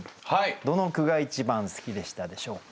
どの句が一番好きでしたでしょうか。